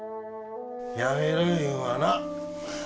やめるいうんはな